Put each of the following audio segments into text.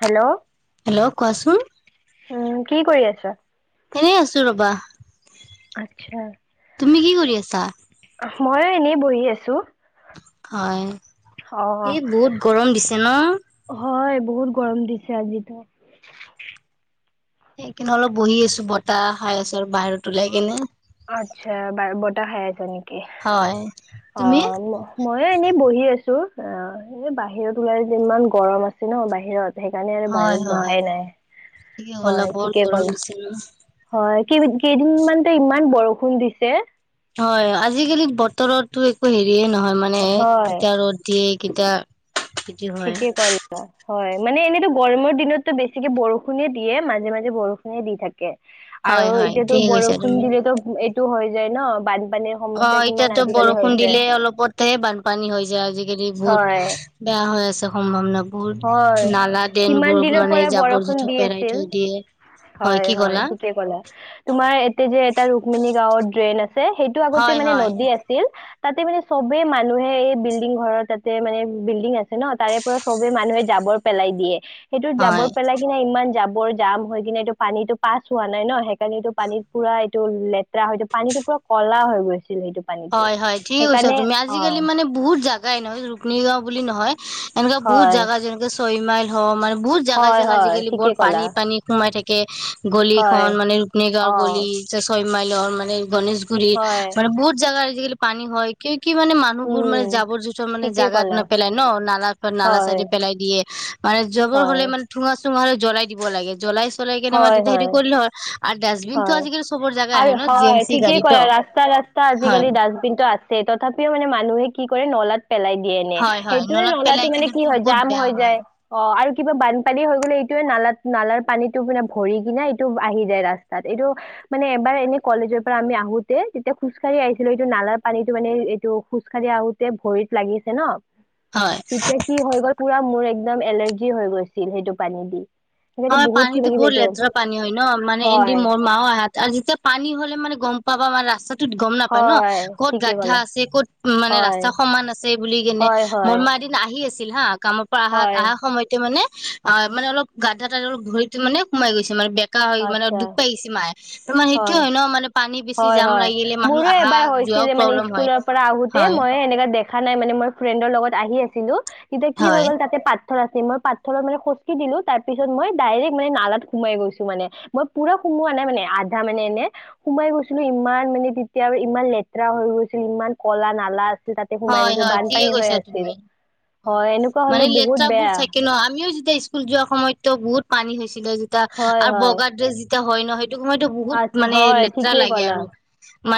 Hello hello কোৱাচোন। উম, কি কৰি আছা? এনেই আছো ৰবা। আচ্ছা। তুমি কি কৰি আছা? মই এনেই বহি আছো। হয়। অ'। এই বহুত গৰম দিছে ন? হয় বহুত গৰম দিছে আজিতো। সেই কিনে অলপ বহি আছো বতাহ খাই আছ আৰু বাহিৰত ওলাই কিনে। আচ্ছা বতাহ খাই আছা? হয় তুমি অ', মইয়ো এনেই বহি আছো‌। অ', এই বাহিৰত ওলাই ইমান গৰম আছে ন? বাহিৰত সেইকাৰণে আৰু হয় বাহিৰত হয় বহাই নাই ঠিকে ক'লা হয়, বৰ ঠিকে গৰম ক'লা দিছে ন হয়। কেই কেইদিন মানতে ইমান ইমান বৰষুণ দিছে। হয়, আজিকালি বতৰতো একো হেৰি দে নহয় মানে কেতিয়া ৰ'দ দিয়ে কেতিয়া ঠিকেই কৈল্যা হয়। মানে এনেইতো গৰমৰ দিনতো বেছিকে বৰষুণে দিয়ে মাজে, মাজে বৰষুণে দি থাকে। আৰু হয় হয় এতিয়াতো ঠিকে কৈছা বৰষুণ তুমি দিলেতো এইটো হয় যায় ন বাদ অ', এতিয়াতো বৰষুণ দিলে অলপতেহে বানপানী হৈ যায় আজিকালি বহুত হয় বেয়া হৈ আছে। [unintelligible] বোৰ হয় নালা কিমান দেনবোৰ দিনৰ মানে পৰা জাবৰ বৰষুণ জোথৰ দি পেৰাই আছিল থৈ দিয়ে। হয়, কি হয় ক'লা ঠিকে ক'লা তোমাৰ এতে যে এটা ৰুক্মিণী গাঁৱত ড্ৰেইন আছ চে সেইটো আগতে হয় মানে হয় নদী আছিল। তাতে মানে চবে মানুহে এই বিল্ডিং ঘৰৰ তাতে মানে বিল্ডিং আছে ন তাৰে পৰা সবে মানুহে জাবৰ পেলাই দিয়ে। সেইটোত হয় জাবৰ পেলাই কিনে ইমান জাব বৰ জাম হয়। সেইপিনে এইটো পানীটো পাছ হোৱা নাই ন সেইকাৰণেটো পানীত পুৰা এইটো লেতেৰা হয়টো পানীটো পোৰা কলা হৈ গৈছে। হয়, হয় ঠিক কৈছ তুমি অ আজিকালি মানে বহুত জোগাই নহয় ৰূপমিনিৰ গাওঁ বুলি নহয় এনেকা বহুত হয় জাগা যেনেকে চৈ মাইল হ মান বহুত জেগা হয় জেগাই হয় আজিকালি ঠিকে বহুত ক'লা পানী, পানী সোমাই থাকে গলি হয় খন মানে ৰুক্মিণীগাঁওৰ অ গলি ছয় মাইলৰ মানে গণেশগুৰি হয় মানে বহুত জাগা আজিকালি পানী হয় ক কি মানে মানুহবোৰ মানে উম জাবৰ জোথৰ মানে ঠিকেই জেগাত ক'লা নেপেলাই ন নালা হয় চাইডে পেলাই দিয়ে মানে জাবৰ হয়, হ'লে মানে ঠোঙা চো তোমালে জ্বলাই দিব লাগে জ্বলাই চলাই কিনে মাটিতে খেতি কৰিলো হয় আৰু ডাষ্টবিনতো হয়। আজিকালি চবৰ জাগা আৰু আহে ন জি হয় এম চি ঠিকেই গাড়ী ক'লা ত ৰাস্তা ৰাস্তা আজিকালি ডষ্টবিনটো আছে তথাপিও মানে মানুহে কি কৰে নলাত পেলাই দিয়ে এনে, হয় হয় সেইটোয়ে নলাত নলাটো পেলাই মানে কি কেনেতো হয় বহুত জাম বেয়া হৈ হয়। যায় অ' আৰু কিবা বানপানী হৈ গ'লে এইটয়োৱে নালাত, নালাৰ পানীতটো পানে ভৰি কিনে এইটো আহি যায় ৰাস্তা। তাত এইটো মানে এবাৰ এনেই কলেজৰ পৰা আমি আহোতে তেতিয়া খোজকাঢ়ি আহিছিলো এইটো নালাৰ পানীটো মানে এইটো খোজ কাঢ়ি আহোতে ভৰিত লাগিছে ন। হয় তেতিয়া কি হৈ গ'ল পুৰা মোৰ এক একদম এলাৰ্জি হৈ গৈছিল সেইটো পানী দি। সেইকাৰণে হয় কিবা পানীটো কিবি বহুত এইটো লেতেৰা পানী হয় ন। মানে এ হয় ম মা আহাত আৰু যেতিয়া পানী হ'লে মানে গম পাবা মানে ৰাস্তাত ত গম নাপায় ন হয়, ক'ত ঠিকে গাধ্ধা ক'লা। আছে ক'ত মানে হয়, ৰাস্তা সমান আছে বুলি কেনে হয়, হয়, মনমা এদিন আহি আছে ছিল হা কামৰ পৰা অহা হয়, অহা সময়তে মানে অ' মানে অলপ গাধ্বা তাৰ ঘডীটো মানে সোমাই গৈছে মানে মানে আচ্ছা, দুখ পাই আহিছে মায়ে। তাৰ সেইটো হয় ন মানে পানী বেছি হয় জাম হয়, লাগিলে মানুহ মোৰো আহা এবাৰ যোৱাও হৈছিলে মানে, প্ৰব্লেম হয় স্কুলৰ পৰা আহোতে হয় মই সেনেকা দেখ দেখা নাই মানে মই ফ্ৰেণ্ডৰ লগত আহি আছিলো তেতিয়া কি হৈ হয় গ'ল তাতে পাত পাথৰ আছে মই পাতথৰ মানে খোচকি দিলো তাৰ পিছ মই ডাইৰেক্ট মানে নালাত সোমাই গৈছো মানে মই পুৰা সোমোৱা নাই মানে আধা মানে এনে সোমাই গৈছিলো ইমান মানে তেতিয়া আৰু ইমান লেতেৰা হৈ গৈছিল ইমান কলা নালাত। তাতে সোমাই হয় গৈছিল হয় ঠিকে বানপানী হৈ কৈছা আছিল, তুমি হয় এনেকুৱা মানে হলে বহুত লেতেৰাবোৰ বেয়া। থাকে ন [unintelligible] স্কুল যোৱাৰ সময়তও বহুত পানী হৈ ছিলে যেতিয়া হয় আৰু হয় বগা ড্ৰেছ যোৰত এতি হয় নহয় হেইটো সময়তো বহুত আচ্ছা মানে হয় লেতেৰা ঠিকেই লাগে ক'লা আৰু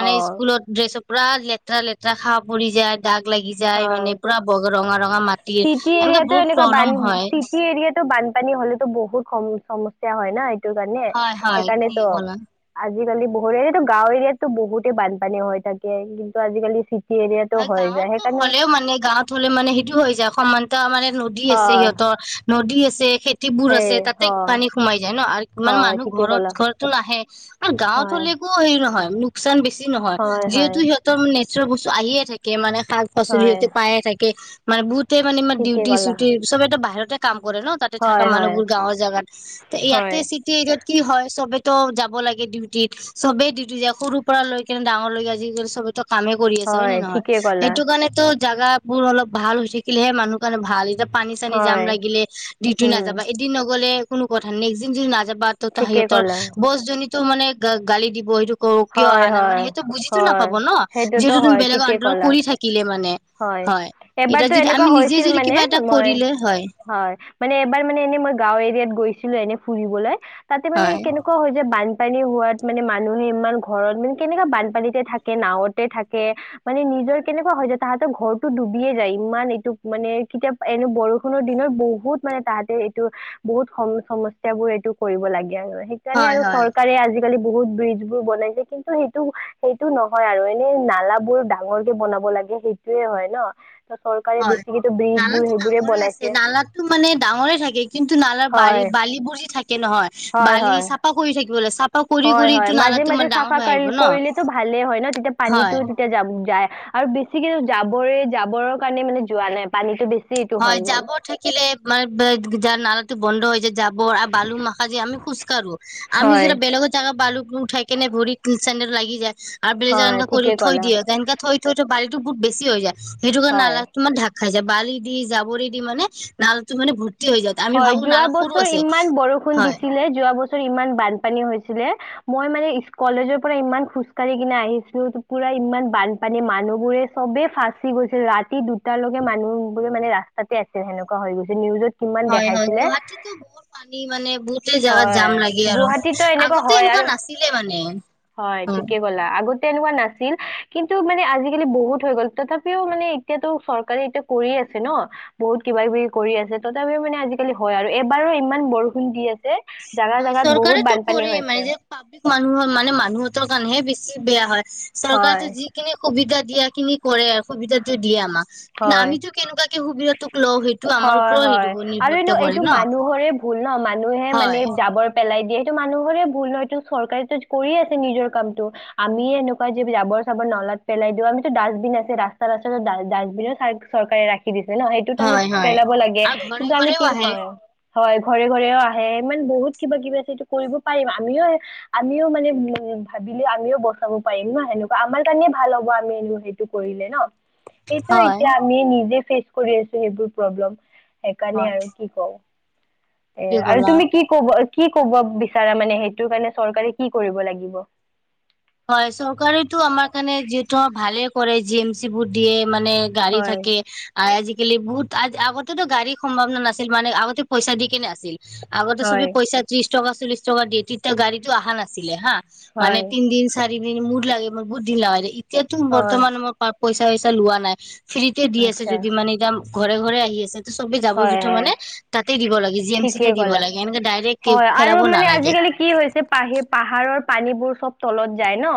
অ স্কুলত ড্ৰেছ পুৰা লেতেৰা লেতেৰা শাও পৰি যায়। দাগ লাগি যায় হয় মানে পুৰা ৰঙা ৰঙা মা চিটি এৰিয়াতটো এনেকুৱা বান, চিটি এৰিয়াত বানপানী হলেতো বহুত সমস্যা হয় না। সেইটোকাৰণে হয় হয় সেইকাৰণে ত ঠিকে ক'লা। আজিকালি বহুত এইতো গাঁও এৰিয়াতটো বহুতে বানপানী হৈ থাকে কিন্তু আজিকালি চিটি এৰিয়াতো হয় হৈ যায় গাঁৱতো সেইকাৰণে হ'লেও মানে গাঁৱত হ'লে মানে সেইটো হৈ যায় সমান ত মানে নদী আছে হয় সিহঁতৰ নদী আছে। বোৰ সেই আছে তাতে হয় পানী সোমাই যায় ন আৰু ইমান হয় মানুহ ঠিকে ঘৰত ক'লা ঘৰতো ন হে। আৰু গাঁৱত হয় হলে একো হেৰি নহয়। লোকচান বেছি নহয় হয় হয় যিহেতু সিহঁতৰ নে বস্তু আহিয়ে থাকে মানে শাক-পাচলি হয় সিহঁতে পাইয়ে থাকে। মানে বহু তেই মানে ইম ঠিকে ডিউটি ক'লা চিউটি ছবেইটো বাহিৰতে কাম কৰে ন। তাতে থাকা হয় হয় মানুহবোৰ গাঁৱৰ জাগাত, হয় ইয়াতে চিট এৰিয়াত কি হয় চবেইটো যাব লাগে ডিউটিত চবেই ডিউটি যায় সৰু পৰা লৈ কেনে ডাঙৰলৈকে আজিকালি চবেই ত কামে কৰি আছে হয় নে নহয়? ঠিকে ক'লা সেইটো কাৰণেতো জাগা বোৰ অলপ ভাল হৈ থাকিলেহে মানুহ কাৰণে ভাল, এতিয়া পানী চানী জাম হয় লাগিলে দিউটি উম নাযাবা এদিন নগ'লে কোনো কথা নিজিম [unintelligible] নাযাব বা তহঁতৰ ঠিকে সিহঁতৰ ক'লা বছজনি ত মানে গা গালি দিব, সেইটো ক কিয় হয় অহা হয় নাই? সেইটো বুজিতো হয় নাপাব ন সেইটোতো যিহেটো তুমি হয় বেলেগৰ ঠিকেই আন্ধাৰত ক'লা কৰি থাকিলে মানে হয়, এতিয়া এবাৰতো যদি এনেকুৱা আমি নিজে হৈছিল যদি মানে কিবা এটা মই কৰিলে হয় মানে এবাৰ মানে এনেই মই গাঁও এৰিয়াত গৈছিলো এনেই ফুৰিবলৈ। তাতে মানে হয় কেনেকুৱা হয় যে, বান বান পানী হোৱাত মানে মানুহে ইমান ঘৰত মানে কেনেকা বানপানীতে থাকে, নাৱতে থাকে, মানে নিজৰ কেনেকুৱা হয় যায়। তাহাঁতৰ ঘৰটো ডুবিয়ে যায় ইমান এইটো মানে কেতিয়া এনে বৰষুণৰ দিনত বহুত মানে তাহাঁতে এইটো বহুত সম সমস্যা বোৰ এইটো কৰিব লাগে আৰু। সেইকাৰণে হয় আৰু হয় চৰকাৰে আজি আজিকালি বহুত ব্ৰিজ বোৰ বনাইছে কিন্তু সেইটো সেইটো নহয় আৰু এনে নালা বোৰ ডাঙৰ কে বনাব লাগে, সেই সেইয়ে হয় ন। হয় ব্ৰিজ বোৰ নালাটো সেইবোৰে ডাঙৰে আছে বনাইছে নালাটো মানে ডাঙৰে থাকে কিন্তু নালাৰ ব হয়, বালিবোৰ যি থাকে নহয়, হয়, বালি হয়। চাফা কৰি থাকিব [unintelligible] হয় হয়, কৰিটো মাজে নালাটো মাজে মানে ডাঙৰ চাফা হৈ আহিব ন। কৰিলেটো ভালে হয় ন তেতিয়া পানীতটো হয় তেতিয়া যাব, যায়। আৰু বেছিকে জাবৰে জাবৰৰ কাৰণে মানে যোৱা নাই পানীতটো বেছি এইটো হৈ হয় গ'ল। যাবৰ থাকিলে মানে যাৰ নালা বন্ধ হৈ যা জাবৰ আৰু বালু মখা যে আমি খোজ কাঢ়ো আমি হয়, যেতিয়া বেলেগৰ জেগা বালুক উঠাই কেনে ভৰিত চেন্ডেলত লাগি যায় আৰু বেলেগ জাগাত হয়, এনেকে কৰি ঠিকে থৈ ক'লা দিয়ে এনেকে থৈ থৈ বালি টো বহুত বেছি হৈ যায়। সেইটো কাৰণে হয়। নালাটো ঢাক খাই যায় বালিত দি জাবৰি দি মানে নালটো মানে ভৰ্তি হৈ যায় আমি হয় ভাবো যোৱা নালা সৰু বছৰ আছে ইমান বৰষুণ হয় দিছিলে, যোৱা বছৰ ইমান বানপানী হৈছিলে। মই মানে কলেজৰ পৰা ইমান খোজ কাঢ়ি কিনে আহিছিলো, পুৰা ইমান বানপানী মানুহবোৰে চবেই ফাঁচি গৈছিল ৰাতি দুটালৈকে মানুহবোৰে মানে ৰাস্তাতে আছিল সেনেকুৱা হৈ গৈছে। নিউজত কিমান হয় হয় দেখাইছিলে। গুৱাহাটীতো বহুত পানী মানে, বহুতেই জাগাত হয় জাম লাগে আৰু গুৱাহাটীতো আগতে হয় এনেকুৱা আৰু নাছিলে মানে, হয়। তেনেকুৱা নাছিল কিন্তু মানে আজিকালি বহুত হৈ গ'ল তথাপিও মানে এতিয়াটো চৰকাৰে এতিয়া কৰিয়ে আছে ন' বহুত কিবা-কিবি কৰি আছে। তথাপিও মানে আজিকালি হয় আৰু এইবাৰো ইমান বৰষুণ দি আছে জাগা হয় জাগাত বহুত চৰকাৰেটো বানপানী কৰে হৈছে মানে যে পাব্লিক মানুহৰ মানে মানুহঁতৰ কাৰণেহে বেচি চি বেয়া হয়। হয় চৰকাৰেটো যিখিনি সুবিধা দিয়াখিনি কৰে আৰু সুবিধাটো দিয়ে আমাক। কিন্তু হয় আমিটো কেনেকুৱা কে সুবিধাটো হয়, হয় আৰু এনে কৰে এইটো ন মানুহৰে ভুল ন' মানুহে মানে হয় জাবৰ পে পেলাই দিয়ে সেইটো মানুহৰে ভুল নহয়টো চৰকাৰেটো কৰিয়ে আছে নিজৰ কামটো আমিয়ে এনেকুৱা যে জাবৰ চাবৰ নলাত পেলাই দিওঁ আমিতো ডাষ্টবিন আছে ৰাস্তাত আছে ৰাস্তাত ডাষ্টবিন চৰকাৰে ৰাখি খি দিছে ন' সেইটোত আমি হয় হয় পেলাব লাগে আৰু ঘৰে কিন্তু আমি ঘৰেও কি আহে হয় হয়, ঘৰে ঘৰেও আহে ইমান বহুত কিবা-কিবি আছে সেটো কৰিব পাৰিম আমিও আমিও মানে উম, ভাবিলে আমিও বচাব পাৰিম ন' সেনেকুৱা আমাৰ কাৰণে ভাল হ'ব আমি সেইটো কৰিলে ন'? সেইটো হয় এতিয়া আমি নিজে ফেচ কৰি আছোঁ সেইবোৰ। প্ৰব্লেম। সেইকাৰণে হয় আৰু কি কওঁ। এ ঠিকে আৰু ক'লা তুমি কি ক'বৰ কি ক'ব বিচাৰা মানে সেইটো কাৰণে চৰকাৰে কি কৰিব লাগিব? হয় চৰকাৰেতো আমাৰ কাৰণে যিহেতু ভালে কৰে জি এম চি ভোট দিয়ে। মানে গাড়ী হয় থাকে আজি কালি বহুত আগতে তো গাড়ী সম্ভাৱনা নাছিল। মানে আগতে পইচা দি কেনে আছিল। আগতে চবেই হয় পইচা ত্ৰিশ টকা চল্লিশ টকা দিয়ে তেতিয়া গাড়ীত আহা নাছিলে হাঁ। মানে হয় তিন দিন চাৰি দিন মোৰ লাগে মই বহুত ঢিলা এতিয়া টো হয় বৰ্তমান মোৰৰ পাপ পইচা ঐইচা লোৱা নাই। ফ্ৰীতে দি আছে আচ্ছা যদিও মানে একদম। ঘৰে ঘৰে আহি আছে। চবেই যাব হয় জোঠৰ হয় মানে তাতে দিব লাগে, জি এম ঠিকেই চিটে দিব ক'লা লাগে, এনেকে ডাইৰেক্ট কে হয় আৰু পেলাব মানে নালাগে। আজিকালি কি হৈছে পাহি পাহাৰৰ পানীবোৰ চ'ব তলত যায় ন।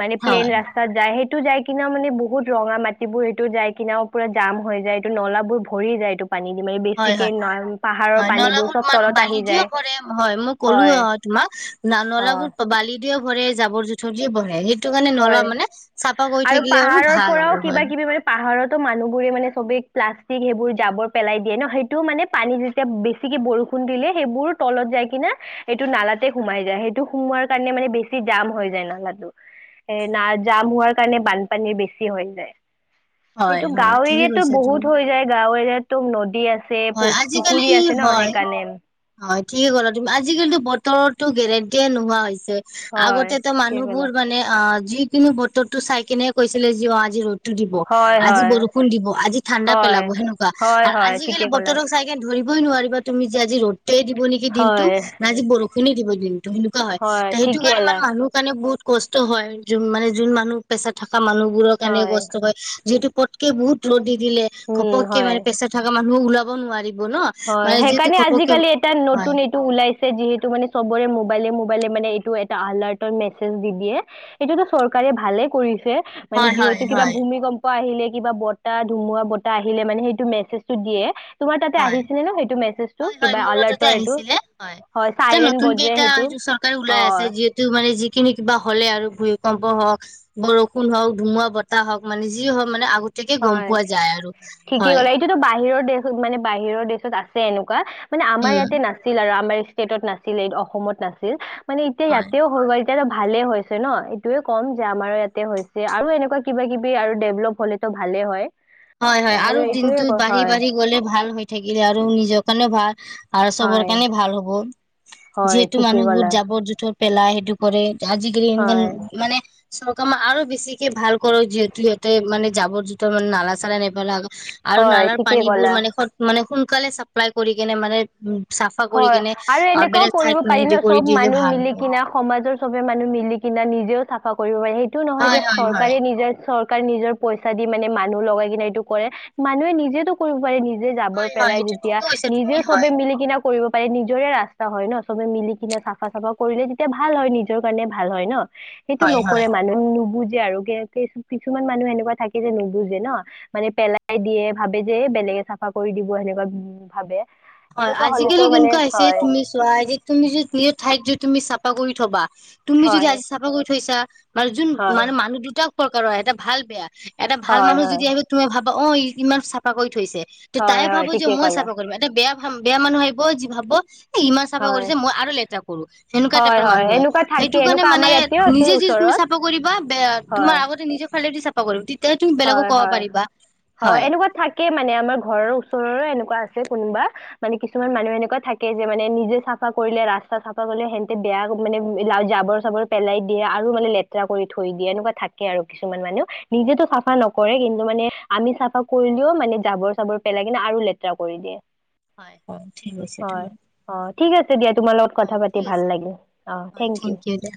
মানে প্লেন হয় ৰাস্তাত যায় এইটো যাই কিনাও মানে বহুত ৰঙা মাটিবোৰ সটো যাই কিনেও পুৰা জাম হৈ যায় এইটো নলাবোৰ ভৰি যায় এইটো পানী দি মানে হয় বেছিকে হয় ন পাহাৰৰ হয় পানীবোৰ নলাবোৰ চব ম তলত বালি আহি দিয়ে যায় কৰে হয় মই ক'লো হয় অ' তোমাক অ নলাাবোৰ বালি ও ভৰে জাবৰ জোথৰ দিয়ে ভৰে সেই কাৰণে নলা হয় মানে চাফ আৰু পাহাৰৰ পৰাও কিবা কিবি মানে পাহাৰতো মানুহবোৰে মানে চবে প্লাষ্টিক সেইবোৰ জাবৰ পেলাই দিয়ে ন, সেইটো মানে পানী যেতিয়া বেছিকে বৰষুণ দিলে সেইবোৰ তলত যাই কিনা সটো নালাতে সোমাই যায়, সেইটো সোমোৱাৰ কাৰণে মানে বেছি জাম হৈ যায় নালাটো এ না জাম হোৱাৰ কাৰণে বানপানীৰ বেছি হৈ যায়। হয় সেইটো হয় গাওঁ ঠিকে এৰিয়াতো কৈছা তুমি বহুত হৈ যায় গাওঁ এৰিয়াত এক তম নদী আছে আছে হয় প আজিকালি পুখুৰী আছে ন হয় সেইকাৰণে। হয় ঠিকে ক'লা তুমি আজিকালিতো ব বতৰতো গেৰেণ্টিয়ে নোহোৱা হৈছে। হয় আগতে তো ঠিকে মানুহবোৰ ক'লা মানে অ যিকোনো বতৰটো চাই কিনে কৈছিলে জি আজি ৰ'দ টো দিব হয় আজি হয় বৰষুণ দিব আজি ঠাণ্ডা পেলাব হয় সেনেকুৱা হয় আৰু হয় ঠিকে আজিকালি ক'লা বতৰ চাই কিনে ধৰি ধৰিবই নোৱাৰিবা তুমি যে আজি ৰ'দ দিব নেকি দিনটো হয় নাই যজি বৰষুণ দিব দিনটো সেনেকুৱা হয় সেইটো ঠিকে কাৰণে মানে ক'লা মানুহৰ কাৰণে বহুত কষ্ট হয় য মানে যোন মানুহ প্ৰেচাৰ থকা মানুহ বোৰৰ কাৰণে কষ্ট হয় যিহেতু পটকে বহুত ৰ'দি দিলে উম ঘপক হয় মানে প্ৰেছা থকা মানুহ, ম ওলাব নোৱাৰি। ব ন? হয় মানে যিহেতু সেইকাৰণে ঘপকে আজিকালি এটা নতুন এইটো ওলাইছে যিহেতু মানে চবৰে মোবাইলে-মোবাইলে মানে ব্লু এটা এলাৰ্ট মেছেজ দি দিয়ে এইটোটো চৰকাৰে ভালে কৰিছে। মানে হয় হয় যিহেতু কিবা হয় ভূমিকম্প আহিলে কিবা বতাহ ধুমুৰা বতাহ আহিলে মানে সেইটো মেছেজটো দিয়ে তোমাৰ তাতে আহিছে। হয়-হয় মোৰো তাতে আহিছিলে। হয়, এটা চাইৰেন নতুনকেই বজে এটা সেইটো হয়টো চৰকাৰ অ ওলাই আছে যিহেতু মানে যিখিনি কিবা হলে আৰু ভূিকম্প হওক বৰষুণ হওক ধুমুৱা বতাহ হওক মানে যি হওক মানে আগতে হয় ঠিকেই কলা। এইটোতো বাহিৰৰ দেশ মানে বাহিৰৰ দেশত আছে এনেকুৱা। মানে আমাৰ উম ইয়াতে নাছিল আৰু আমাৰ নাছিলেই অসমত নাছিল। মানে এতিয়া ইয়াতেও হয়। এতিয়াতো ভালে হৈছে ন? এইটোয়ে ক'ম যে আমাৰো ইয়াতে হৈছে আৰু এনেকুৱা কিবা কিবি আৰু ডেভলপ হ'লে, তটো ভালে হয়। হয়-হয় আৰু এইটোয়ে দিনটো ক- হয় বাঢ়ি-বাঢ়ি গলে ভাল হৈ থাকিলে আৰু নিজৰ কাৰণেও ভাল। [inaudible] আৰু চবৰ হয় কাৰণে ভাল হ'ব। হয় যিহেতু ঠিকেই ক'লা মানুহবোৰ জাবৰ জোথৰ পেলাই সেইটো কৰে আজি কালি হয় এনেকুৱা মানে চৰকাৰে আৰু বেছিকে ভাল কৰি দিয়ে। যিহেতু মানে জাবৰ জোতৰ মানে নালাগ চালানি আৰু হয় নালাৰ ঠিকেই পানীবোৰ ক'লা মানে সোন কালে মানে চাপ্লাই কৰি কিনে মানে উ চাফা কৰি হয় কেনে আৰু এনেকুৱাও বেলেগ ঠাইত কৰিব মানে পাৰি হেৰি ন কৰি চব দিলে মানুহ ভাল মিলি হ'ব কিনা সমাজৰ চবে মানুহ মিলি কিনা নিজেও চাফা। কৰিব পাৰি। সেইটো নহয় যে হয় হয় হয় চৰকাৰে নিজৰ নিজৰ পইচা দি মানে মানুহ লগাই কিনে এইটো কৰে। মানুহে নিজেতো কৰিব পাৰে নিজে। জাবৰ হয় হয় পেলাই এইটো ঠিকে যেতিয়া কৈছা তুমি নিজেও হয় চবে মিলি কিনে কৰিব পাৰে, নিজৰে ৰাস্তা হয় ন' চবে মিলি কিনে চাফা চাফা কৰিলে তেতিয়া ভাল হয়, নিজৰ কাৰণে ভাল হয় ন'। সেইটো হয় হয় নকৰে মানুহে নুবুজ আৰু কিছুমান মানুহ এনেকুৱা থাকে যে নুবুজে ন? মানে পেলাই দিয়ে, ভাবে যে এ বেলেগে চাফা কৰি দিব সেনেকে ভাবে। হয়, এনেকুৱা আজিকি হ'লেতো মানে এনেকুৱা হৈছে হয় তুমি চোৱা, এতিয়া তুমি নিজৰ ঠাইত যদি তুমি চাফা কৰি থবা তুমি হয় যদি আজি চাবা কৰি থৈছা মানে জোন হয় মানে মানুহ দুটাক [unintelligible] [unintelligible] এটা ভাল বেয়া এটা ভাল হয় মানুহ হয় যদি আহিব তুমি ভাব অ ইমান চাফা কৰি থৈছে তে হয় তাই হয় ভাবো যে ঠিকে মই ক'লা চাফা কৰিব, এটা বেয়া বেয়া মানুহ আহিব, যি ভাবব ই ইমান চাফা হয় কৰিছে, মই আৰু লেতেৰা কৰো, সেনেকুৱা হয় টাইপৰ হয় মানুহ আহে। এনেকুৱা থাকে সেইটো কাৰণে এনেকুৱা মানে আমাৰ ইয়াতেও আছিল নিজে যি তুমি ওচৰত চাফা কৰিবা, বে হয় তোমাৰ আগতে নিজে ফালে দি চাফা কৰো। হয়, হয়, হয়। এনেকুৱা থাকেই মানে, আমাৰ ঘৰৰ ওচৰৰে এনেকুৱা আছে কোনোবা, মানে কিছুমান মানুহ এনেকুৱা থাকে যে, মানে নিজে চাফা কৰিলে, ৰাস্তা চাফা কৰিলে সিহঁতে বেয়া মানে জাবৰ চাবৰ পেলাই দিয়ে আৰু মানে লেতেৰা কৰি থৈ দিয়ে। এনেকুৱা থাকে আৰু কিছুমান মানুহ। নিজেতো চাফা চাফা নকৰে, কিন্তু মানে আমি চাফা কৰিলেও মানে জাবৰ চাবৰ পেলাই কিনে আৰু লেতেৰা কৰি দিয়ে। হয় হয় ঠিক আছে তুমি হয় অহ, ঠিক আছে দিয়া তোমাৰ লগত হয় কথা পাতি ঠিক ভাল আছে দিয়া লাগিল, অ হয় থেংকিউ থেংক ইউ দে